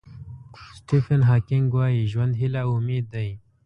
سټیفن هاکینګ وایي ژوند هیله او امید دی.